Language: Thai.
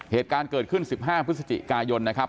เหตุการณ์เกิดขึ้น๑๕พฤศจิกายนนะครับ